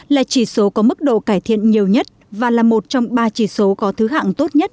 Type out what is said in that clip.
là chỉ số có mức độ cải thiện nhiều nhất và là một trong ba chỉ số có thứ hạng tốt nhất